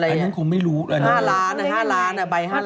หลายนึงคงไม่รู้๕ล้านอ่ะใบ๕ล้าน